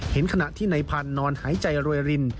ขณะที่ในพันธุ์นอนหายใจรวยริน